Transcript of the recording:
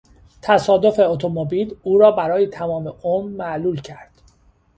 تصادف اتومبیل او را برای تمام عمر معلول کرد.